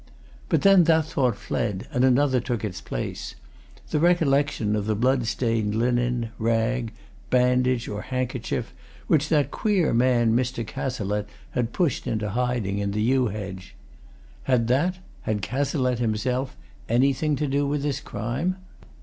But then that thought fled, and another took its place the recollection of the blood stained linen, rag, bandage, or handkerchief, which that queer man Mr. Cazalette had pushed into hiding in the yew hedge. Had that had Cazalette himself anything to do with this crime?